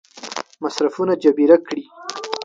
مصرفونه جبیره کړي.